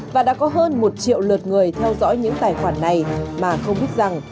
và đã có hơn một triệu lượt người theo dõi những tài khoản này mà không biết rằng